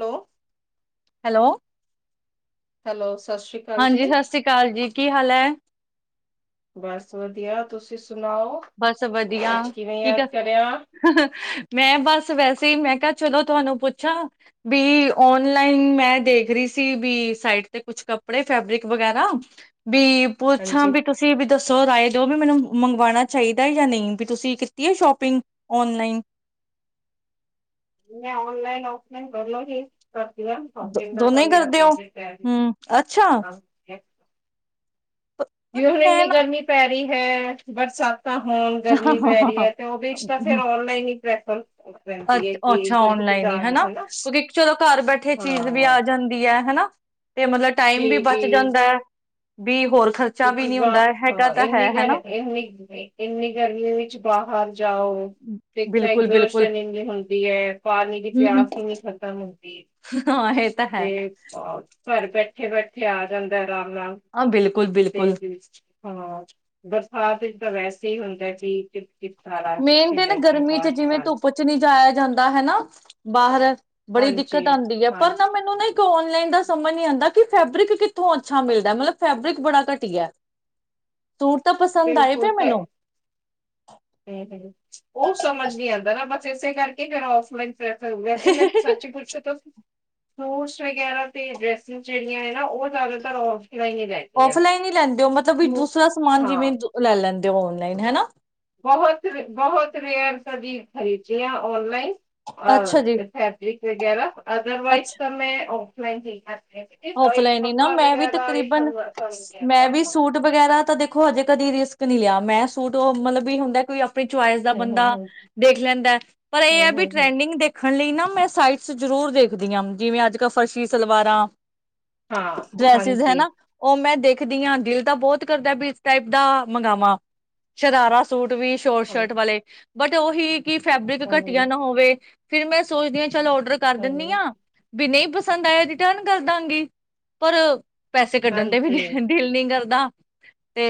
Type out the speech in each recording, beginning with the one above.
Hello hello hello ਸਤਿ ਸ੍ਰੀ ਅਕਾਲ ਹਾਂਜੀ ਜੀ। ਸਤਿ ਸ੍ਰੀ ਅਕਾਲ ਜੀ ਕੀ ਹਾਲ ਹੈ ਬਸ ਵਧੀਆ ਤੁਸੀਂ ਸੁਣਾਓ? ਬਸ ਵਧੀਆ ਅੱਜ ਕਿਵੇਂ ਠੀਕ ਆ ਯਾਦ ਕਰਿਆ? ਮੈਂ ਬਸ ਵੈਸੇ ਹੀ ਮੈਂ ਕਿਹਾ ਚਲੋ ਤੁਹਾਨੂੰ ਪੁੱਛਾ ਵੀ ਓਨਲਾਈਨ ਮੈਂ ਦੇਖ ਰਹੀ ਸੀ ਵੀ ਸਾਈਟ ਤੇ ਕੁਛ ਕੱਪੜੇ ਫੈਬਰਿਕ ਵਗੈਰਾ ਵੀ ਪੁੱਛਾਂ ਹਾਂਜੀ। ਵੀ ਤੁਸੀਂ ਵੀ ਦੱਸੋ ਰਾਏ ਜੋ ਵੀ ਮੈਨੂੰ ਮੰਗਵਾਉਣਾ ਚਾਹੀਦਾ ਜਾਂ ਨਹੀਂ ਵੀ ਤੁਸੀਂ ਕੀਤੀ ਹੈ ਸ਼ੋਪਿੰਗ ਓਨਲਾਈਨ ਮੈਂ ਔਨਲਾਈਨ ਔਫਲਾਈਨ ਕਰਰ ਲੋ ਸੀ ਦੋ ਸੌਦਾ ਤਾਂ ਦੋਨੋਂ ਹੀ ਮੇਰਾ ਕਰਦੇ ਹੋ ਫਟ ਹਮ ਅੱਛਾ ਪ- ਪਰ ਜ ਹੁਣ ਮੈਂ ਇੰਨੀ ਨਾ ਗਰਮੀ ਪੈ ਰਹੀ ਹੈ ਬਰ ਚ ਤਾਂ ਹੁਣ ਹਾਂ ਗਰਮੀ ਹਾਂ ਪੈ ਹਾਂ ਰਹੀ ਹੈ ਤੇ ਉਹਦੇ ਤਾਂ ਹਮ ਫੇਰ ਔਨਲਾਈਨ ਹੀ ਰਫਲ ਅੱ ਅੱਛਾ ਔਨਲਾਈਨ ਹੀ ਹਨਾ ਕਿਉਂਕਿ ਚਲੋ ਘਰ ਬੈਠੇ ਚੀਜ਼ ਵੀ ਹਾਂ ਆ ਜਾਂਦੀ ਹੈ ਹਨਾ ਤੇ ਮਤਲਬ ਟਾਈਮ ਵੀ ਬਚ ਜਾਂਦਾ ਹੈ ਬਹ ਕਿਉਕਿ ਹਾਂ ਇੰਨੀ ਗਰ ਹਨਾ ਇਨੀ ਇੰਨੀ ਗਰਮੀ ਵਿੱਚ ਬਾਹਰ ਜਾਓ ਤੇ ਤਾਂ ਬਿਲਕੁਲ ਬਿਲਕੁਲ ਐਗਜੋਸ਼ਨ ਹੀ ਹੁੰਦੀ ਹੈ ਪਾਣੀ ਦੀ ਪਿਆਸ ਹੀ ਨੀ ਖ਼ਤਮ ਹੁੰਦੀ ਹੈ ਤਾਂ ਤੇ ਘਰ ਬੈਠੇ ਬਥੇ ਬੈਠੇ ਆ ਜਾਂਦਾ ਆਮ ਰ ਹਾਂ ਬਿਲਕੁਲ ਤੇ ਬਿਲਕੁਲ ਹਾਂ ਬਰਸਾਤ ਤਾਂ ਵੈਸ ਸਹੀ ਹੁੰਦਾ ਕਿ ਸਾਰਾ ਮੇਨ ਕਿੱਥੇ ਤੇ ਨਾ ਜਾਈਏ ਗਰਮੀ ਚ ਬਾਹਰ ਜਿਵੇਂ ਨਿਕਾਲ ਧੁੱਪ ਚ ਨੀ ਜਾਇਆ ਜਾਂਦਾ ਹਨਾ ਬਾਹਰ ਬੜੀ ਹਾਂਜੀ ਦਿੱਕਤ ਆਉਂਦੀ ਹੈ ਪਰ ਨਾ ਹਾਂਜੀ ਮੈਨੂੰ ਨਾ ਇੱਕ ਔਨਲਾਈਨ ਦਾ ਸਮਝ ਨੀ ਆਉਂਦਾ ਕਿ ਫੈਬਰਿਕ ਕਿੱਥੋਂ ਅੱਛਾ ਮਿਲਦਾ ਮਤਲਬ ਫੈਬਰਿਕ ਬੜਾ ਘਟੀਆ ਸੂਰ ਤਾਂ ਪਸੰਦ ਆਏ ਪਏ ਬਿਲਕੁਲ ਤੇ ਮੈਨੂੰ ਹੂੰ ਹੂੰ ਉਹ ਸਮਝ ਨੀ ਆਉਂਦਾ ਨਾ ਬਸ ਇਸੇ ਕਰਕੇ ਫ ਫਲਾਈਨ ਪ੍ਰੈਫਰ ਹੋ ਗਿਆ ਤੇ ਮੈਂ ਸੱਚੀ ਪੁੱਛੋ ਤੁ ਸੂਟਸ ਵਗੈਰਾ ਤੇ ਡ੍ਰੈਸ ਜਿਹੜੀਆਂ ਹੈ ਨਾ ਉਹ ਜ਼ਿਆਦਾਤਰ ਔਰ ਸਿਲਾਈ ਨਹੀਂ ਰਦੀਆਂ ਕਿ ਹਾਂਜੀ ਵੇਂ ਲੈ ਲੈਂਦੇ ਦੇ ਆਨਲਾਈਨ ਹਨਾ ਬਹੁਤ ਬਹੁਤ ਰੇਅਰ ਸ ਜੀ ਖਰੀਦੇ ਹੈ ਔਨਲਾਈਨ ਅੱਛਾ ਜੀ ਅਥੈਪਿਕ ਵਗੈਰਾ ਅਦਰਵਾਈਜ਼ ਤਾਂ ਮੈਂ ਜੀ ਆਫਲਾਈਨ ਹੀ ਨਾ ਮੈਂ ਵੀ ਤਕਰੀਬਨ ਸਭ ਸਮਝ ਆਤਾ ਮੈਂ ਵੀ ਹਾਂ। ਸੂਟ ਵਗੈਰਾ ਤਾਂ ਦੇਖ ਦੇੋ ਹਜੇ ਕਦੀ ਰਿਸਕ ਨਹੀਂ ਲਿਆ ਮੈਂ ਸੂਟ ਉਹ ਮਤਲਬ ਵੀ ਹੁੰਦਾ ਕੋਈ ਆਪਣੀ ਚੁਇਸ ਦਾ ਹਮ ਹਮ ਬੰਦਾ ਦੇਖ ਲੈਂਦਾ ਪਰ ਇਹ ਹੈ ਹਮ ਹਮ ਵੀ ਹਮ ਹਮ ਟਰੈਂਡਿੰਗ ਦੇਖ ਖਣ ਲਈ ਨਾ ਮੈਂ ਸਾਈਟਸ ਜ਼ਰੂਰ ਦੇਖਦੀ ਹਾਂ ਜਿਵੇਂ ਅੱਜ ਕੱਲ ਫਰਸ਼ੀ ਸਲਵਾਰਾਂ ਹਾਂ ਡਰੈਸਿਸ ਹੈ ਹਾਂਜੀ ਨਾ ਉਹ ਮੈਂ ਦੇਖ ਦੇਖਦੀ ਹਾਂ ਦਿਲ ਤਾਂ ਬਹੁਤ ਕਰਦਾ ਵੀ ਇਸ ਟਾਈਪ ਦਾ ਮੰਗਾਵਾਂ ਸ਼ਰਾਰਾ ਸੂਟ ਵੀ ਸ਼ੋਰਟ ਸ਼ਰਟ ਵਾਲੇ ਬਟ ਉਹੀ ਕਿ ਫੈਬਰਿਕ ਘਟੀਆ ਹਾਂਜੀ ਨਾ ਹੋਵੇ ਫਿਰ ਮੈਂ ਸੋਚਦੀ ਹਾਂ ਚੱਲ ਔਡਰ ਕਰ ਦਿੰਦੀ ਹਾਂ ਵੀ ਨਹੀਂ ਪਸੰਦ ਆਇਆ ਰਿਟਰਨ ਕਰ ਪਸੰਦ ਡਾਂਗੀ ਪਰ ਪੈਸੇ ਕੱਢਣ ਤੇ ਵੀ ਹਾਂਜੀ ਦਿਲ ਨ ਕਰਦਾ ਤੇ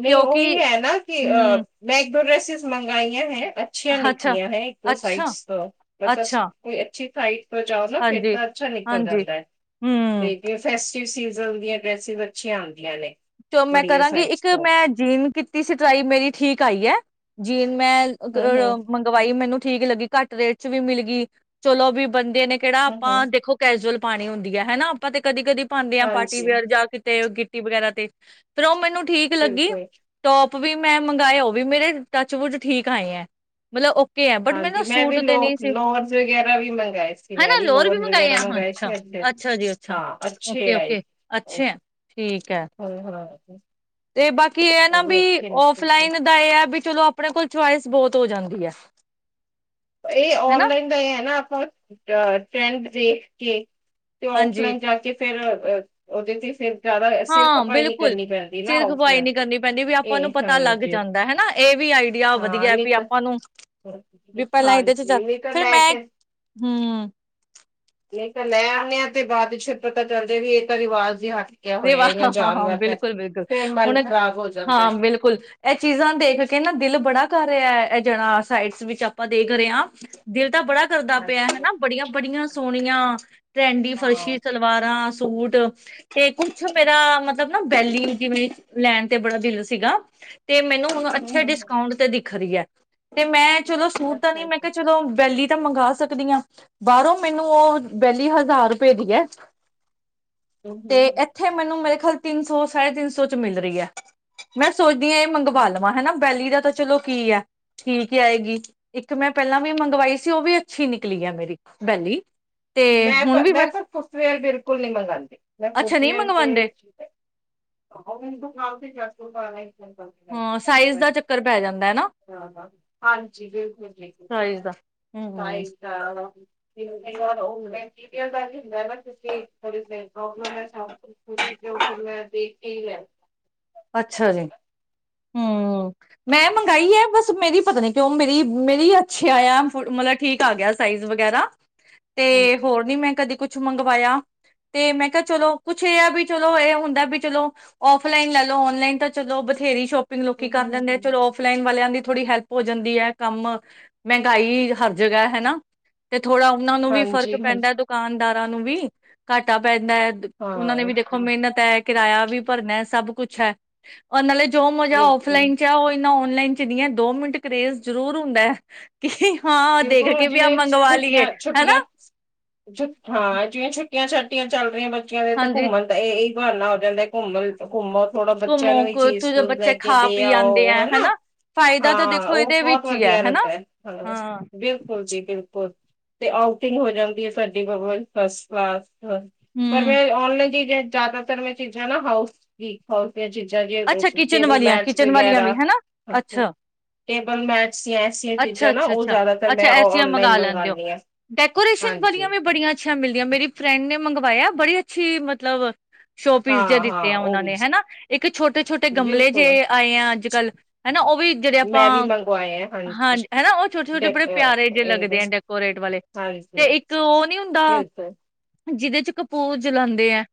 ਨਹੀਂ ਉਹੀ ਹੈ ਨਾ ਕਿ ਅ ਹਮ ਮੈਂ ਇੱਕ ਦੋਸ ਸੁਣਨ ਆਈ ਹੈ ਅੱਛੀਆਂ ਅੱਛਾ ਨਿਕਲੀਆਂ ਹੈ ਇੱਕ ਦੋ ਅੱਛਾ ਸਾਈਡਸ ਤੋਂ ਮਤਲਬ ਅੱਛਾ ਕੋਈ ਅੱਛੀ ਹਾਈ ਜਾਓ ਨਾ ਫਿਰ ਹਾਂਜੀ ਤਾਂ ਅੱਛਾ ਨਿਕਲ ਹਾਂਜੀ ਜਾਂਦਾ ਹੈ ਹਮ ਤੇ ਅ ਸੀਜ਼ਨ ਦੀਆਂ ਡਰੈਸਿਸ ਅੱਛੀਆਂ ਆਉਂਦੀਆਂ ਨੇ ਚ ਮੈਂ ਕਰਾਂਗੀ ਇੱਕ ਮੈਂ ਜੀਨ ਕੀਤੀ ਸੀ ਟਰਾਈ ਮੇਰੀ ਠੀਕ ਆਈ ਹੈ ਜੀਨ ਮੈਂ ਅ ਮੰਗਵਾਈ ਮੈਨੂੰ ਠੀਕ ਲੱਗੀ ਘੱਟ ਰੇਟ ਚ ਵੀ ਮਿਲ ਗਈ ਚਲੋ ਵੀ ਬੰਦੇ ਨੇ ਕਿਹੜਾ ਆਪਾਂ ਦੇਖੋ ਕੈਜੂਅਲ ਪਾਣੀ ਹੁੰਦੀ ਹੈ ਹਨਾ ਆਪਾਂ ਤੇ ਕਦੀ ਕਦੀ ਪ ਪਾਉਂਦੇ ਆ ਪਾਰਟੀ ਵੇਅਰ ਜਾਂ ਕਿਤੇ ਗਿੱ ਟੀ ਵਗੈਰਾ ਤੇ ਫ ਉਹ ਮੈਨੂੰ ਠੀਕ ਲੱਗੀ ਟੋਪ ਵੀ ਮੈਂ ਮੰਗਵਾਏ ਉਹ ਵੀ ਮੇਰੇ ਟੱਚ ਬੁਜ ਠੀਕ ਆਏ ਹੈ ਮਤਲਬ ਓਕੇ ਐ ਬਟ ਮੈਨੂੰ ਹਾਂਜੀ ਮੈਂ ਵੀ ਸੂਟ ਲੋ ਤੇ ਨਹੀਂ ਸੀ ਲੋਨ ਵਗੈਰਾ ਵੀ ਮੰਗਵਾਏ ਸੀ ਮੈਂ ਹਨਾ ਵੀ ਲੋਅਰ ਲੋਨ ਮੰਗਾਏ ਵਗੈਰਾ ਆ ਮੰਗਵਾਏ ਅੱਛਾ। ਸੀ ਅੱ ਅੱਛਾ ਜੀ ਅੱਛਾ ਹਾਂ ਅੱਛੇ ਆਏ ਓਕੇ-ਓਕੇ ਅੱਛੇ ਐ ਠੀਕ ਐ। ਤੇ ਬਾਕੀ ਇਹ ਹੈ ਨਾ ਵੀ ਫਲਾਈਨ ਦਾ ਇਹ ਹੈ ਚਲੋ ਆਪਣੇ ਕੋਲ ਚੁਇਸ ਬਹੁਤ ਹੋ ਜਾਂਦੀ ਹੈ ਇਹ ਹਨਾ ਔਨਲਾਈਨ ਦਾ ਇਹ ਹੈ ਨਾ ਆਪਾਂ ਅ ਫੈਂਕ ਦੇ ਕੇ ਤੇ ਹਾਂਜੀ ਔਫਲਾਈਨ ਜਾਂਚ [unintelligible] ਫੇਿਰ ਉਹਦੇ ਦੀ ਫਿਰ ਜ਼ਿਆਦਾ ਸਿਰ ਹਾਂ ਖਪਾਈ ਨੀ ਬਿਲਕੁਲ ਕਰਨੀ ਪੈਂਦੀ ਨਾ ਸਿਰ ਖਪਈ ਔਫਲਾਈਨ ਨਹੀਂੀ ਤੇ ਕਰਨੀ ਪੈਂਦੀ ਵੀ ਆਪਾਂ ਨੂੰ ਇਹ ਪਤਾ ਲੱਗ ਹਾਂਜੀ ਜਾਂਦਾ ਹਨਾ ਇਹ ਵੀ ਆਈ ਵਧੀਆ ਹਾਂ ਵਧੀਆ ਨਹੀਂ ਵੀ ਤਾਂ ਆਪਾਂ ਨੂੰ ਵੀ ਪਹਿਲਾਂ ਇਹਦੇ ਚ ਚੱਲ ਹਾਂਜੀ ਨਹੀਂ ਤਾਂ ਫੇਿਰ ਲੈ ਮੈਂ ਕੇ ਹਮ ਨਹੀਂ ਤਾਂ ਲੈ ਆਉਂਦੇ ਆ ਤੇ ਬਾਦ ਚ ਫਿਰ ਪਤਾ ਚੱਲ ਜਾ ਵੀ ਇਹ ਤਾਂ ਰਿਵਾਜ਼ ਹੀ ਹੱ ਵਾ ਹਾਂ ਹਾਂ ਬਿਲਕੁਲ ਬਿਲਕੁਲ ਫਿਰ ਹੁਣ ਮਨ ਖ਼ਰਾਬ ਹੋ ਜਾਂਦਾ ਹੈ। ਹਾਂ ਬਿਲਕੁਲ ਇਹ ਚੀਜ਼ਾਂ ਦੇਖ ਕੇ ਨਾ ਦਿਲ ਬੜਾ ਕਰ ਇਹ ਜਣਾ ਸਾਈਡਸ ਵਿੱਚ ਆਪਾਂ ਦੇਖ ਰਹੇ ਹਾਂ ਦਿਲ ਤਾਂ ਬੜਾ ਕਰਦਾ ਪਿਆ ਹਾਂਜੀ ਹਨਾ ਬੜੀਆਂ ਬੜੀਆਂ ਸੋਹਣੀਆਂ ਟਰੈਂਡੀ ਫਰਸ਼ੀ ਹਾਂ ਸਲਵਾਰਾਂ ਸੂਟ ਤੇ ਕੁਛ ਮੇਰਾ ਮਤਲਬ ਨਾ ਵੈਲੀ ਜੀਵੇੇਰੀ ਲੈਣ ਤੇ ਬੜਾ ਦਿਲ ਸੀਗਾ ਤੇ ਮੈਨੂੰ ਹੁਣ ਹੂੰ ਅੱਛੇ ਹੂੰ ਡਿਸਕਾਊਂਟ ਤੇ ਦੇ ਖਰੀ ਹੈ ਤੇ ਮੈਂ ਚਲੋ ਸੂਪ ਤਾਂ ਅੱਛਾ ਨੀ ਮੈਂ ਅੱਛਾ ਕਿਹਾ ਚਲੋ ਵੈਲੀ ਤਾਂ ਮੰਗਵਾ ਸਕਦੀ ਹਾਂ ਬਾਹਰੋਂ ਮੈਨੂੰ ਉਹ ਵਹਿਲੀ ਹਜ਼ਾਰ ਰੁਪਏ ਦੀ ਹੈ ਹੂੰ ਤੇ ਹੂੰ ਇੱਥੇ ਮੈਨੂੰ ਮੇਰੇ ਖੱਲ ਤਿੰਨ ਸੌ ਸਾਢੇ ਤਿੰਨ ਸੌ ਚ ਮਿਲ ਰਹੀ ਹੈ ਮੈਂ ਸੋਚਦੀ ਹਾਂ ਇਹ ਮੰਗਵਾ ਲਵਾਂ ਹਨਾ ਬੈਲੀ ਦਾ ਤਾਂ ਚਲੋ ਕੀ ਹੈ ਕੀ ਕੀ ਆਏਗੀ ਇੱਕ ਮੈਂ ਪਹਿਲਾਂ ਵੀ ਮੰਗਵਾਈ ਸੀ ਉਹ ਵੀ ਅੱਛੀ ਨਿਕਲੀ ਹੈ ਮੇਰੀ ਬੈਲੀ ਤੇ ਮੈਂ ਹੁਣ ਤਾਂ ਵੀ ਮੈਂ ਤਾਂ ਪੁਸਵੈ ਬਿਲਕੁਲ ਨਹੀਂ ਮਿਲਗਾਉਂਦੀ ਨਾ ਅੱਛਾ ਫੋਟੂ ਨਹੀਂ ਤੇ ਵਿਚ ਤੇ ਮੰਗਵਾਉਂਦੇ ਜੂਤੇ [inaudible] [unintelligible] ਓਹ ਭਾਵੇਂ ਹਾਂ ਸਾਈਜ਼ ਦਾ ਚੱਕਰ ਪੈ ਜਾਂਦਾ ਹੈ ਨਾ ਬਿਲਕੁਲ ਬਿਲਕੁਲ ਸਾਈਜ਼ ਦਾ [unintelligible] ਫਿਰ ਮੈਂ ਦੇਖ ਕੇ ਹੀ ਲੈਨੀ ਹਾ ਅੱਛਾ ਜੀ ਹਮ ਮੈਂ ਮੰਗਾਈ ਹੈ ਬਸ ਮੇਰੀ ਪਤਾ ਨੀ ਕਿਉਂ ਮੇਰੀ ਮੇਰੀ ਅੱਛੇ ਆ ਮਤਲਬ ਠੀਕ ਆ ਗਿਆ ਸਾਈਜ਼ ਵਗੈਰਾ ਤੇ ਹੋਰ ਨੀ ਮੈਂ ਕਦੀ ਕੁਛ ਕੁ ਮੰਗਵਾਇਆ ਤੇ ਮੈਂ ਕਿਹਾ ਚਲੋ ਕੁਛ ਇਹ ਆ ਵੀ ਚਲੋ ਇਹ ਹੁੰਦਾ ਵੀ ਚਲੋ ਔਫਲਾਈਨ ਲੈ ਔਨਲਾਈਨ ਤਾਂ ਚਲੋ ਬਥੇਰੀ ਸ਼ੋਪ ਲੋਕੀ ਕਰ ਦਦੇ ਆ ਹਾਂਜੀ ਚਲੋ ਔਫਲਾਈਨ ਵਾਲਿਆਂ ਦੀ ਥੋੜੀ ਹੈਲਪ ਹੋ ਜਾਂਦੀ ਹੈ ਕੰਮ ਮਹਿੰਗਾਈ ਹਰ ਜਗ੍ਹਾ ਹਨਾ ਤੇ ਥੋੜਾ ਉਹਨਾ ਨੂੰ ਵੀ ਫ਼ਰਕ ਹਾਂਜੀ ਪੈਂਦਾ ਦੁਕਾਨਦਾਰ ਨੂੰ ਵੀ ਘਾਟਾ ਪੈ ਦਾ ਉਹਨਾਂ ਨੇ ਵੀ ਹਾਂ ਦੇਖੋ ਬਿਲਕੁਲ ਮਿਹਨਤ ਹੈ ਕਿਰਾਇਆ ਵੀ ਭਰਨਾ ਸਭ ਕੁੱਛ ਅੱਛਾ ਉਹ ਨਾਲੇ ਜੋ ਮਜ਼ਾ ਔਫਲਾਈਨ ਚ ਏਨਾ ਆਨਲਾਈਨ ਲਾਈਨ ਚ ਨਹੀਂ ਦੋ ਮਿੰਟ ਕਰੇਜ਼ ਜ਼ਰੂਰ ਹੁੰਦਾ ਹੈ ਕਿ ਹਾਂ ਬਿਲਕੁਲ ਦੇਖ ਕੇ ਹੁਣ ਵੀ ਆਪ ਜਿਵੇਂ ਮੰਗਵਾ ਲਈਏ ਛੁੱਟੀਆਂ-ਛੁੱਟੀਆਂ ਹਨਾ ਹਾਂ ਜਿਵੇਂ ਛੁੱ ਛੱਟੀਆਂ ਚੱਲ ਰਹੀਆਂ ਬੱਚੀਆਂ ਦੇ ਤੇ ਹਾਂਜੀ ਘੁੰਮਣ ਤਾਂ ਇਹ ਨਾ ਹੋ ਜਾਂ ਤੇ ਘੁੰਮਣ ਘੁੰਮੋ ਥੋੜਾ ਬੱਚਿਆਂ ਘੁੰਮੋ ਨੂੰ ਵੀ ਕੁ ਉੱਥੋਂ ਚੀਜ਼ ਦੇ ਟੂਜ ਲੈ ਬੱਚੇ ਕੇ ਖਾ ਦੇ ਪੀ ਆਂਦੇ ਆਓ ਐ ਹਨਾ ਫਾਇਦਾ ਤਾਂ ਹਾਂ ਦੇਖੋ ਉਹ ਇਹਦੇ ਬਹੁਤ ਵਿੱਚ ਈ ਐ ਵਧੀਆ ਹਨਾ ਰਹਿੰਦਾ ਹਾਂ ਬਿਲਕੁਲ ਜੀ ਬਿਲਕੁਲ ਤੇ ਆਊਟਿੰਗ ਹੋ ਜਾਂਦੀ ਹੈ ਸਾਡੀ ਡਬਲ ਫਸਟ ਕਲਾਸ ਪਰ ਹੂੰ। ਮੈਂ ਔਨਲਾਈਨ ਚਜ਼ਾ ਜ਼ਿਆਦਾਤਰ ਮੈਂ ਚੀਜ਼ਾਂ ਨਾ ਹਾਊਸ ਵੀਕ ਹਾਊਸ ਚੀਜ਼ਾਂ ਜ ਅੱਛਾ ਕਿਚਨ ਟੇਬਲ ਵਾਲੀਆਂ ਮੈਟਜ਼ ਕਿਚਨ ਵਾਲੀਆਂ ਵੀ ਵਗੈਰਾਾਂ ਹਨਾ ਅੱਛਾ, ਟੇਬਲ ਮੈਟਜ਼ ਐਸੀਆਂ ਅੱਛਾ, ਚੀਜ਼ਾਂ ਨਾ ਅੱਛਾ, ਅੱਛਾ। ਜ਼ਿਆਦਾਤਰ ਅੱਛਾ ਮੈਂ ਐਸੀਆਂ ਮੰਗ ਔਨਲਾਈਨ ਲੈਂਦੇ ਹੋ ਮੰਗਵਾਉਂਦੀ ਹਾਂ ਡੈਕੋਰੇਸ਼ਨ ਵਾਲੀਆਂ ਹਾਂਜੀ ਵੀ ਬੜੀਆਂ ਅੱਛਾ ਮਿਲਦੀਆਂ ਮੇਰੀ ਫਰੈਂਡ ਨੇ ਮੰਗਵਾਇਆ ਬੜੀ ਅੱਛੀ ਮਤਲਬ ਸ਼ੋਪੀਸ ਹਾਂ ਜ ਦਿੱਤੇ ਹਾਂ ਆ ਉਹ ਉਹਨਾਂ ਵੀ ਨੇ ਹਨਾ ਇੱਕ ਛੋਟੇ-ਛੋਟੇ ਗਮਲੇ ਬਿਲਕੁਲ ਜੇਹੇ ਆਏ ਆ ਅੱਜ ਕੱਲ ਹਨਾ ਉਹ ਉਹ ਵੀ ਜਿਹੜੇ ਆਪਾਂ ਮੈਂ ਵੀ ਮੰਗਵਾਏ ਆ ਹਾਂ ਹਾਂਜੀ ਹਨਾ ਉਹ ਛੋਟੇ ਛੋਟੇ ਡੈਕ ਬੜੇ ਪਿਆਰੇ ਜ ਲੱਗਦੇ ਆ ਡੈਕੋਰੇਟ ਵਾਲੇ ਤੇ ਹਾਂਜੀ ਇੱਕ ਉਹ ਨੀ ਹੁੰਦਾ ਬਿਲਕੁਲ ਜਿਹਦੇ ਚ ਕਪੂਰ ਜਲਾਉਂਦੇ ਹੈ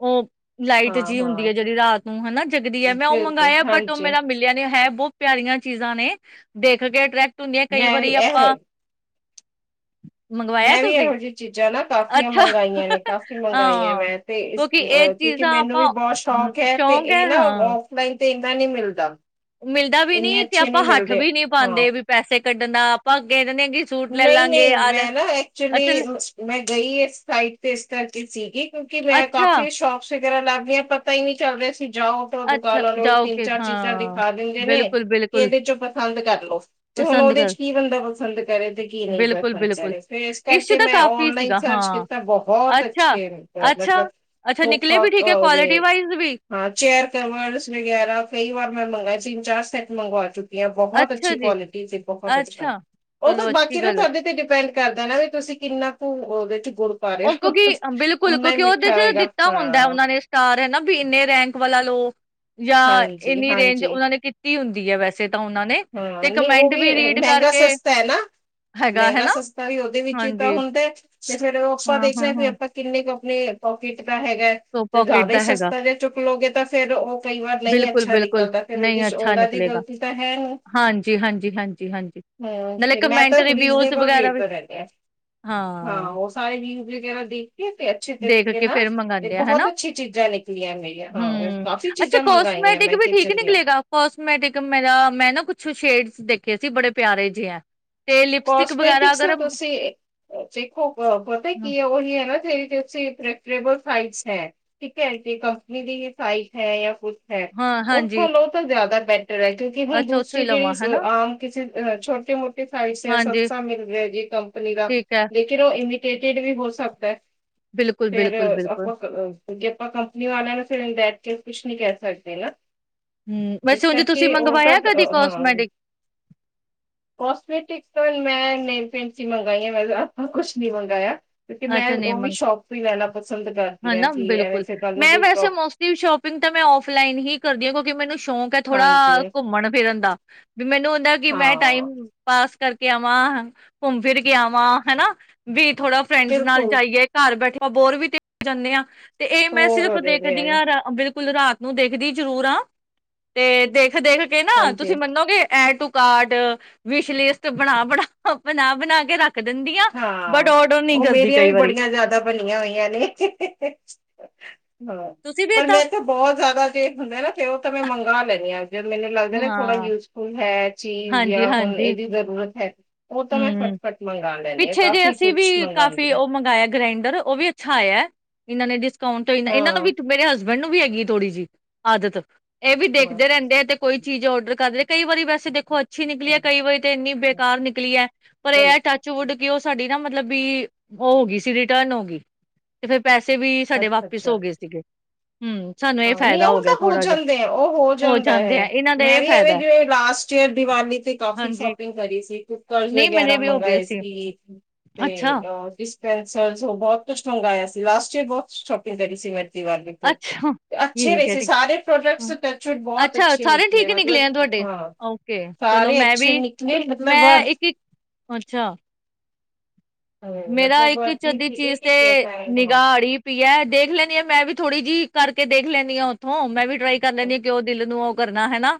ਉਹ ਲਾਈਟ ਹਾਂ ਜਿਹੀ ਹੁੰਦੀ ਹਾਂ ਹੈ ਜਿਹੜੀ ਰਾਤ ਹਨਾ ਜਗਦੀ ਹੈ ਮੈਂ ਉਹ ਬਿਲਕੁਲ ਮੰਗਾਇਆ ਬਟ ਉਹ ਹਾਂਜੀ ਮੇਰਾ ਮਿਲਿਆ ਨਹੀਂ ਹੈ ਬਹੁਤ ਪਿਆਰੀ ਚੀਜ਼ਾਂ ਨੇ ਦੇਖ ਕੇ ਅੈਕਟ ਧੂੰਨਿਆ ਕਈ ਮੈਂ ਵੀ ਵਾਰੀ ਇਹ ਆਪਾਂ [inaudible] ਮੈਂ ਵੀ ਤੁਸੀਂ ਇਹੋ ਜਿਹੀਆਂ ਚੀਜ਼ਾਂ ਨਾ ਕਾਫੀਆਂ ਅੱਛਾ ਮੰਗਾਈਆਂ ਨੇ ਕਾਫ਼ੀ ਮੰਗਾਈਆਂ ਹਾਂ ਮੈਂ ਤੇ ਇਹ ਕਿਉਂਕਿ ਚੀਜ਼ਾਂ ਮੈਨੂੰ ਆਪਾਂ ਵੀ ਬਹੁਤ ਹਮ ਸ਼ੌਕ ਹੈ ਤੇ ਸ਼ੌਕ ਹੈ ਇਹ ਨਾ ਹਾਂ ਔਫਲਾਈਨ ਇੰਨਾ ਨਹੀਂ ਮਿਲਦਾ ਮਿਲਦਾ ਵੀ ਇੰਨੇ ਨੀ ਤੇ ਅੱਛੇ ਆਪਾਂ ਨਹੀਂ ਹੱਠ ਮਿਲਦੇ ਵੀ ਨੀ ਹਾਂ ਪਾਉਂਦੇ ਵੀ ਪੈਸੇ ਕੱਢਣ ਦਾ ਆਪਾਂ ਕਹਿ ਦਿੰਦੇ ਕਿ ਸੂਟ ਲੈ ਨਹੀਂ ਲਾਂਗੇ ਨਹੀਂ ਲੈ ਮੈਂ ਨਾ ਐਕਚੁਲੀ ਅੱਛਾ ਲੈ- ਮੈਂ ਗਈ ਇਸ ਸਾਈਟ ਤੇ ਇਸ ਕਰਕੇ ਸੀਗੀ ਕਿਉਂਕਿ ਮੈਂ ਅੱਛਾ ਕਾਫੀ ਸ਼ੋਕ ਵਗਰਾ ਲੱਗਆਂ ਪਤਾ ਹੀ ਨੀ ਚੱਲ ਰਿਹਾ ਸੀ ਜਾਓ ਤਾਂ ਦੁਕਾਨ ਅੱਛਾ ਵਾਲੋਂ ਵੀ ਜਾਓ ਤਿੰਨ ਕੇ ਚਾਰ ਚੀਜ਼ਾਂ ਹਾਂ ਦਿਖਾ ਦਿੰਦੇ ਨੇ ਬਿਲਕੁਲ ਕਿ ਬਿਲਕੁਲ ਇਹਦੇ ਚੋਂ ਪਸੰਦ ਕਰ ਲੋ ਤੇ ਹੁਣ ਪਸੰਦ ਉਹਦੇ ਚ ਕਰ ਕੀ ਬੰਦਾ ਪਸੰਦ ਕਰੇ ਤੇ ਕੀ ਨਹੀਂ ਕਰ ਬਿਲਕੁਲ ਬਿਲਕੁਲ ਫਿਰ ਇਸ ਇਸ਼ੂ ਕਰਕੇ ਤਾਂ ਮੈਂ ਕਾਫ਼ੀ ਓਨਲਾਈਨ ਸੀਗਾ ਸਰਚ ਹਾਂ ਕੀਤਾ ਬਹੁਤ ਅੱਛਾ ਅੱਛੇਤ ਅੱਛਾ ਮਤਲਬ ਅੱਛਾ ਨਿਕਲੇ ਸੋਫਾ ਵੀ ਠੀਕ ਹੈ ਉਹਦੇ ਕੁਆਲਿਟੀ ਵਾਈਜ਼ ਵੀ ਹਾਂ ਚੇਅਰ ਕਵਰਸ ਵਗੈਰਾ ਕਈ ਵਾਰ ਮੈਂ ਮੰਗਵਾਏ ਤਿੰਨ ਚਾਰ ਸੈਟ ਮੰਗਵਾ ਚੁੱਕ ਬਹੁਤ ਅੱਛੀ ਅੱਛਾ ਜੀ ਕੁਆਲਟੀ ਤੇ ਬਹੁਤ ਅੱਛਾ ਉਹ ਤਾਂ ਚਲੋ ਬਾਕੀ ਅੱਛੀ ਨਾ ਗੱਲ ਹੈ ਤੁਹਾਡੇ ਤੇ ਬਹੁਤ ਡਿਪੈਂਡ ਕਰਦਾ ਨਾ ਵੀ ਤੁਸੀਂ ਕਿੰਨਾ ਕੁ ਗੁੜ ਪਾ ਰਹੇ ਉਹ ਹੋ ਕਿਉਂਕਿ ਬਿਲਕੁਲ ਓਨਾ ਹੀ ਕਿਉਂਕਿ ਉਹਦੇ ਮਿੱਠਾ ਚ ਹੋਏਗਾ ਦਿੱਤਾ ਹੁੰਦਾ ਹਾਂ ਉਹਨਾਂ ਨੇ ਸਟਾਰ ਹਨਾ ਵੀ ਇੰਨੇ ਰੈਂਕ ਵਾਲਾ ਲੋ ਜਾਂ ਹਾਂਜੀ ਇੰਨੀ ਰੇਂਜ ਹਾਂਜੀ ਉਹਨਾਂ ਨੇ ਕੀਤੀ ਹੁੰਦੀ ਹੈ ਵੈਸੇ ਤਾਂ ਉਹਨਾਂ ਨੇ ਹਾਂ ਤੇ ਨਹੀਂ ਉਹ ਕਮੈਂਟ ਵੀ ਰੀਡ ਮਹਿੰਗਾ ਕਰਕੇ ਸਸਤਾ ਹੈ ਨਾ ਹੈਗਾ ਮਹਿੰਗਾ ਹਨਾ ਸਸਤਾ ਵੀ ਉਹਦੇ ਵਿੱਚ ਹੀ ਤਾਂ ਹਾਂਜੀ ਹੁੰਦਾ ਤੇ ਫਿਰ ਉਹ ਆਪਾਂ ਹਾਂ ਹਾਂ ਦੇਖਣਾ ਫਿਰ ਹਾਂ ਆਪਾਂ ਕਿੰਨੇ ਕੁ ਪਕੀਟ ਹੈਗਾ ਸੋ ਤੇ ਜ਼ਦਾ ਪੋਕਿਟ ਹੀ ਦਾ ਹੈਗਾ ਸਸਤਾ ਜੇ ਚੁੱਕ ਲੋਗੇ ਤਾਂ ਫਿਰ ਉਹ ਕਈ ਵਾਰ ਨਹੀਂ ਬਿਲਕੁਲ ਅੱਛਾ ਬਿਲਕੁਲ ਨਿਕਲਦਾ ਫੇਿਰ ਨਹੀਂ ਉਹਦੇ ਚ ਅੱਛਾ ਉਹਨਾਂ ਦੀ ਨਿਕਲੇਗਾ ਗ਼ਲਤੀ ਤਾਂ ਹੈ ਹੁ ਹਾਂਜੀ ਹਾਂਜੀ ਹਾਂਜੀ ਹਾਂਜੀ ਹਾਂ ਨਾਲੇ ਤੇ ਮੈਂ ਕਮੈਂਟ ਤਾਂ ਰਿਵਿਊਜ਼ ਰੀਜਨੇਬਲ ਵਗੈਰਾ ਰੇਟ ਵੀ ਤੋਂ ਰਹਿੰਦੇ ਆ ਹਾਂ ਉਹ ਸਾਰੇ ਵਿਊ ਵਗੈਰਾ ਦੇਖ ਕੇ ਤੇ ਅੱਛੇ ਦੇਖ ਤਰੀਕੇ ਕੇ ਨਾਲ ਫੇਰ ਮੰਗਾਂਦੇ ਬਹੁਤ ਹਨਾ ਅੱਛੀ ਚੀਜ਼ਾਂ ਨਿਕਲੀਆਂ ਮੇਰੀਆਂ ਹਾਂ, ਹਮ ਕਾਫ਼ੀ ਅੱਛਾ ਚੀਜ਼ਾਂ ਮੰਗਾਈਆਂ ਕੋਸਮੈਟਿਕ ਮੈਂ ਵੀ ਠੀਕ ਕਿਚਨ ਦੀਆਂ। ਨਿਕਲੇਗਾ ਕੋਸਮੈਟਿਕ ਮੇਰਾ ਮੈਂ ਨਾ ਕੁਛ ਛ ਸ਼ੇਡ ਦੇਖੇ ਸੀ ਬੜੇ ਪਿਆਰੇ ਜਿਹੇ ਹੈ। ਕਸਮੈਟਿਕਸ ਦਾ ਤੁਸੀਂ ਦੇਖੋ ਅ ਪਤਾ ਕੀ ਹੈ ਉਹੀ ਹੈ ਨਾ ਜੈਸੇ ਪ੍ਰਵਟੈਬਲ ਦਿਲੇ ਹੈ ਠੀਕ ਹੈ ਤੇ ਕੰਪਨੀ ਦੀ ਹੀ ਸਾਈਟ ਹੈ। ਹੈ ਹਾਂ ਉਹ ਹਾਂਜੀ ਫਲ ਉਹ ਤਾਂ ਜ਼ਿਆਦਾ ਬੈਟਰ ਕਿਉਂਕਿ ਹੁਣ ਅੱਛਾ ਉੱਥੋਂ ਦੂਸਰੀ ਹੀ ਜਿਹੜੀ ਲਵਾਂ ਅ ਹਨਾ ਆਮ ਕਿਸੇ ਅ ਛੋਟੇ ਮੋਟੇ ਹਾਂਜੀ ਸਸਤਾ ਮਿਲ ਰਿਹਾ ਜੀ ਕੰਪਨੀ ਦਾ ਠੀਕ ਐ ਲੇਕਿਨ ਉਹ ਇਮੀਟੇਟਿਡ ਵੀ ਹੋ ਸਕਦਾ ਹੈ। ਬਿਲਕੁਲ ਫੇਰ ਬਿਲਕੁਲ ਬਿਲਕੁਲ ਆਪਾਂ ਜੇ ਆਪਾਂ ਕੰਪਨੀ ਵਾਲੇ ਨੂੰ ਫਿਰ ਕੁਛ ਨਹੀਂ ਕਹਿ ਸਕਦੇ ਨਾ ਹਮ ਇਸ ਵੈਸੇ ਉੰਜ ਤੁਸਿ ਕਰਕੇ ਉਹ ਤਾਂ ਮੰਗਵਾਇਆ ਕਦੀ ਅਹ, ਹਾਂ ਕੋਸਮੈਟਿਕ ਕੋਸਮੈਟਿਕਸ ਮੈਂ ਨਹੀਂ ਭੈਣਜੀ ਮੰਗਾਈਆਂ ਮੈਂ ਆਪਾਂ ਕੁਛ ਨੀ ਮੰਗਵਾਆ ਅੱਛਾ ਨਮਗ ਕਰਦੀ ਹਨ ਹਾਂ ਨਾ ਕਿ ਐਵੇਂ ਬਿਲਕੁਲ ਫਿਰ ਕੱਲ ਨੂੰ ਮੈਂ ਕੋਈ ਪ੍ਰੋ ਵੈਸੇ ਮੋਸਟਲੀ ਸ਼ੋਪਿੰਗ ਤਾਂ ਮੈਂ ਫਲਾਈਨ ਹੀ ਕਰਦੀ ਹਾਂ ਕਿਉਂਕਿ ਮੈਨੂੰ ਸ਼ੌਂਕ ਹੈ ਥੋੜਾ ਹਾਂਜੀ ਘੁੰਮਣ ਫਿਰਨ ਦਾ ਵੀ ਮੈਨੂੰ ਹੁੰਦਾ ਕਿ ਮੈਂ ਟਾਈ ਹਾਂ ਪਾਸ ਕਰਕੇ ਆਵਾਂ ਘੁੰਮ ਫਿਰ ਕੇ ਆਵਾਂ ਹਨਾ ਵੀ ਥੋੜਾ ਫਰੈਂਡਸ ਨਾਲ ਬਿਲਕੁਲ ਜਾਈਏ ਘਰ ਬੈਠੇ ਆਪਾਂ ਬੋਰ ਵੀ ਤੇ ਹੋ ਜਾਂਦੇ ਹਾਂ। ਤੇ ਇਹ ਮੈਂ ਹੋਰ ਸਿਰਫ਼ ਹੋ ਜਾਂਦੇ ਦੇਖਦੀ ਆ ਹਾਂ ਰ ਬਿਲਕੁਲ ਕੁੱਲ ਰਾਤ ਨੂੰ ਦੇਖਦੀ ਜ਼ਰੂਰ ਆ ਤੇ ਦੇਖ ਦੇਖ ਦੇਖ ਕੇ ਨਾ ਹਾਂਜੀ ਤੁਸੀਂ ਮੰਨੋਗੇ add to cart wish list ਬਣਾ ਬਣਾ ਬਣਾ ਬਣਾ ਕੇ ਰੱਖ ਰੱਖ ਦਿੰਦੀਆਂ ਬਟ ਹਾਂ। ਔੜ। ਉਹ ਮੇਰੀਆਂ ਵੀ ਬੜੀਆਂ ਜ਼ਿਆਦਾ ਬਣੀਆਂ ਹੋਈਆਂ ਨੇ ਅਹ। ਹਾਂ ਤੁਸੀਂ ਵੀ ਪਰ ਮੈਂ ਏਦਾਂ ਇੱਥੇ ਬਹੁਤ ਜ਼ਿਆਦਾ ਜੇ ਹੁੰਦਾ ਨਾ ਤੇ ਉਹ ਤਾਂ ਮੈਂ ਮੰਗਾਂ ਲੈਣੀ ਹਾਂ। ਜਦੋਂ ਮੈਨੂੰ ਲੱਗਦਾ ਨਾ ਹਾਂ ਥੋੜਾ ਯੂਜਫੁਲ ਹੈ ਚੀਜ਼ ਜਾਂ ਹੁਣ ਹਾਂਜੀ-ਹਾਂਜੀ, ਇਹਦੀ ਜ਼ਰੂਰਤ ਹੈਂ। ਉਹ ਤਾਂ ਮੈਂ ਫਟ ਹੂੰ ਫਟ ਮੰਗਾ। ਪਿੱਛੇ ਜੇ ਅਸੀਂ ਵੀ ਕਾਫੀ ਉਹ ਮੰਗਵਾਇਆ ਗ੍ਰੈਂਡਰ ਉਹ ਵੀ ਅੱਛਾ ਆਇਆ ਹੈ ਇਹਨਾਂ ਨੇ। ਕਾਉਂਟ ਹੋਈ ਦਾ ਇਹਨਾਂ ਨੂੰ ਵੀ ਹਾਂ ਮੇਰੇ ਹਸਬੈਂਡ ਨੂੰ ਵੀ ਹੈਗੀ ਹੈ? ਥੋੜੀ ਜਿਹੀ ਆਦਤ। ਇਹ ਵੀ ਹਾਂ ਦੇਖਦੇ ਰਹਿੰਦੇ ਆ ਤੇ ਕੋਈ ਚੀਜ਼ ਔਡਰ ਕਰਲੇ। ਕਈ ਵਾਰੀ ਵੈਸੇ ਦੇਖੋ ਅੱਜ? ਅੱਛੀ ਨਿਕਲੀ ਹੈ ਹਾਂ, ਕਈ ਵਾਰੀ ਤੇ ਇੰਨੀ ਬੇਕਾਰ ਨਿਕਲੀ ਹੈ ਪਰ ਇਹ ਹੈ ਚਲੋ ਟੱਚ? ਚੋਡ ਕੇ ਉਹ ਸਾਡੀ ਨਾ ਮਤਲਬ। ਵੀ ਉਹ ਹੋ ਗਈ ਸੀ ਰਿਟਰਨ ਹੋ ਗਈ ਤੇ ਫਿਰ। ਪੈਸੇ ਵੀ ਸਾਡੇ ਅੱਛਾ ਵਾਪਿਸ ਹੋ ਅੱਛਾ ਗਏ ਸੀਗੇ। ਹੂੰ ਸਾਨੂੰ ਇਹ ਹਾਂ ਨਹੀਂ ਫਾਇਦਾ ਉਹ ਗਿਆ ਤਾਂ ਹੋ ਥੋੜਾ ਜਿਹਾ ਜਾਂਦੇ ਆ ਉਹ ਹੋ ਜਾਂਦਾ ਜਾਂਦੇ ਆ ਹੈ ਇਹਨਾਂ ਦਾ ਮੈਂ ਇਹ ਵੀ ਇਹਵੇਂ ਫਾਇਦਾ। ਹੈ। ਜਿਵੇਂ ਲਾਸਟ ਈਅਰ ਦੀਵਾਲੀ ਤੇ ਕਾਫੀ ਹਾਂਜੀ ਸ਼ੋਪਿੰਗ ਕਰੀ ਸੀ ਕੁਕਰਸ ਨਹੀਂ ਮੇਰੇ ਵਗੈਰਾ ਵੀ ਹੋ ਗਏ ਮੰਗਵਾਏ ਸੀ। ਠੀਕ ਅੱਛਾ। ਤੇ ਅ। ਸਪੈਸ਼ਲ'ਚ ਬਹੁਤ ਕੁਝ ਮੰਗਵਾਇਆ ਆਇਆ ਸੀ ਲਾਸਟ ਈਅਰ ਬਹੁਤ ਸ਼ੋਪਿੰਗ ਕਰੀ ਸੀ ਮੈਂ? ਦਿਵਾਲੀ ਤੇ। ਅੱਛਾ, ਅੱਛੇ ਠੀਕ ਐ, ਰਹੇਸ ਠੀਕ। ਸਾਰੇ ਹੂੰ, ਪ੍ਰੋਡਕਟਸ ਟਚਟ ਬਹੁਤ ਅੱਛਾ, ਅੱਛੇ ਸਾਰੇ ਨਿਕਲੇ ਠੀਕ ਹੀ ਮਤਲਬ ਆ ਤੁਹਾਡੇ? ਹਾਂ ਓਕੇ, ਚਲੋ ਸਾਰੇ ਮੈਂ ਵੀ ਅੱਛੇ ਨਿਕਲੇ ਮਤਲਬ ਮੈਂ ਵਰਥ। ਇੱਕ-ਇੱਕ ਅੱਛਾ, ਮੇਰਾ ਮਤਲਬ ਇੱਕ ਵਰਥ ਚੱ ਹੀ ਅਦੀ ਸੀ ਚੀਜ਼ ਤੇ ਇੱਕ ਇੱਕ ਨਿਗਾਹੜੀ ਪਈ ਹੈ ਦੇਖ ਲੈਦੀ ਹਾਂ ਮੈਂ ਵੀ ਥੋੜ੍ਹੀ ਜਿਹੀ ਕਰਕੇ ਦੇਖ ਲੈਂਦੀ ਹਾਂ ਉੱਥੋਂ ਮੈਂ ਵੀ ਟਰਾਈ ਕਰ ਲੈਂਦੀ ਆ ਕਿ ਉਹ ਦਿਲ ਨੂੰ ਆ ਕਰਨਾ ਹਨਾ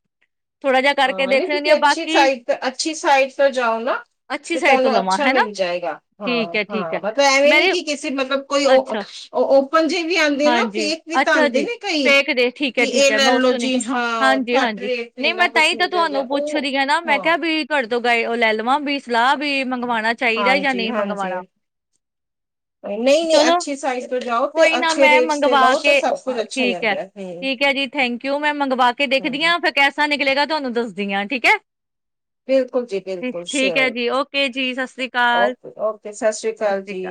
ਥੋੜਾ ਜਿਹਾ ਕਰਕੇ ਹਾਂ ਨਹੀਂ ਦੇਖ ਲੈਂਨੀ ਤੁਸੀਂ ਆ, ਅੱਛੀ ਬਾਕੀ ਸਾਈਟ ਅੱਛੀ ਸਾਈਟ ਤੋਂ ਜਾਓ ਨਾ ਅੱਛੀ ਤੇ ਸਾਈਡ ਤੋਂ ਤੁਹਾਨੂੰ ਲਵਾਂ ਅੱਛਾ ਹਨਾ, ਮਿਲ ਜਾਏਗਾ ਹਾਂ ਠੀਕ ਐ, ਠੀਕ ਹਾਂ ਐ। ਮਤਾ ਐਵੇਂ ਨੀ ਮੇਰੇ ਕਿ ਕਿਸੇ ਮਤਲਬ ਕੋਈ ਉਹ ਅੱਛਾ ਪੰਜੇ ਵੀ ਆਉਂਦੇ ਨਾ ਹਾਂਜੀ, ਫੇਕ ਵੀ ਤਾਂ ਅੱਛਾ ਆਉਂਦੇ ਜੀ, ਨੇ ਕਈ ਫੇਕ ਦੇ ਠੀਕ ਕਿ ਐ ਠੀਕ ਇਹ ਐ ਲੈ ਮੈਂ ਉਸ ਲੋ ਤੋਂ ਨੀ ਜੀ ਹਾਂ ਘੱਟ ਹਾਂਜੀ-ਹਾਂਜੀ, ਰੇਟ ਤੇ ਨਈ ਇੰਨਾ ਮੈਂ ਕੁਛ ਤਾਂਈ ਤਾਂ ਮਿਲ ਜਾਂਦਾ ਤੁਹਾਨੂੰ ਉਹ ਪੁੱਛਦੀ ਹੈ ਨਾ ਮੈਂ ਹਾਂ ਕਿਹਾ ਵੀ ਘਰ ਤੋਂ ਗਏ ਲੈ ਲਵਾਂ ਵੀ ਸਲਾਹ ਵੀ ਮੰਗਵਾਉਣੀ ਹਾਂਜੀ ਹਾਂਜੀ ਨਹੀਂ ਨਹੀਂ ਚਲੋ ਅੱਛੀ ਸਾਈਜਟ ਤੋਂ ਜਾਓ ਤੇ ਕੋਈ ਨਾ ਅੱਛੇ ਮੈਂ ਰੇਟਸ ਤੇ ਮੰਗਵਾ ਲਓ ਤਾਂ ਕੇ ਸਭ ਕੁਝ ਅੱਛਾ ਹੀ ਠੀਕ ਹੈ ਆਉਂਦਾ ਹਮ ਠੀਕ ਹੈ ਜੀ ਥੈਂਕ ਯੂ ਮੈਂ ਮੰਗਵਾ ਕੇ ਹਮ ਦੇਖਦੀ ਹਾਂ ਫਿਰ ਕੈਸਾ ਨਿਕਲੇਗਾ ਤੁਹਾਨੂੰ ਦੱਸਦੀ ਹਾਂ ਠੀਕ ਹੈ ਬਿਲਕੁਲ ਜੀ ਬਿਲਕੁਲ ਐ ਸ਼ਓਰ ਜੀ ਓਕੇ ਜੀ ਸਤਿ ਸ੍ਰੀ ਅਕਾਲ, ਓਕੇ ਓਕੇ ਸਤਿ ਸ੍ਰੀ ਅਕਾਲ ਜੀ